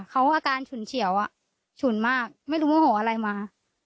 เขาอาการฉุนเฉียวฉุนมากไม่รู้โมโหอะไรมา